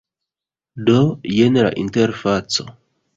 Do, jen la interfaco